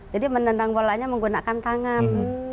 jadi menendang bolanya menggunakan tangan